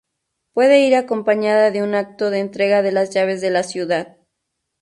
Puede ir acompañada de un acto de entrega de las llaves de la ciudad.